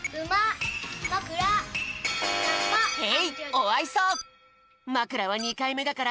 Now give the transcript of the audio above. おあいそ！